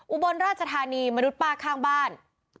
อุบลราชธานีมนุษย์ป้าข้างบ้าน